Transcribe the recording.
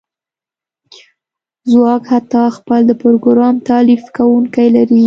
ځواک حتی خپل د پروګرام تالیف کونکی لري